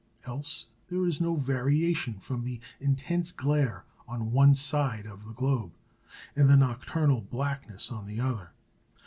Else there is no variation from the intense glare on one side of the globe, and the nocturnal blackness on the other.